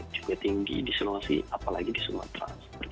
cukup tinggi di situasi apalagi di sumatera